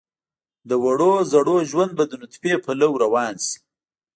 د وړو زړو ژوند به د نطفې پلو روان شي.